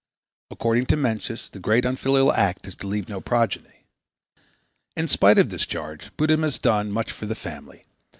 According to Mencius the greatest unfilial act is to leave no progeny. In spite of this charge Buddhism has done much for the family.